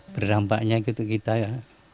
berdampaknya gitu kita ya